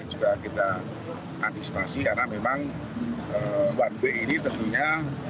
juga kita antisipasi karena memang one way ini tentunya